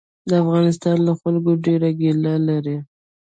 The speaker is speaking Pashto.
د افغانستان له خلکو ډېره ګیله لري.